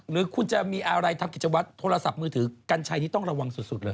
หรือคุณจะมีอะไรทำกิจวัตรโทรศัพท์มือถือกัญชัยนี้ต้องระวังสุดเลย